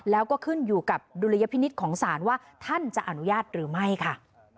แล้วก็ขึ้นอยู่กับดุลยพินิษฐ์ของศาลว่าท่านจะอนุญาตหรือไม่ค่ะ